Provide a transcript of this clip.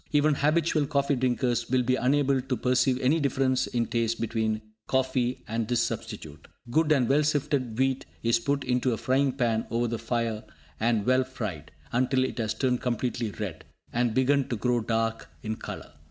Even habitual coffee drinkers will be unable to perceive any difference in taste between coffee and this substitute. Good and well sifted wheat is put into a frying pan over the fire and well fried, until it has turned completely red, and begun to grow dark in colour.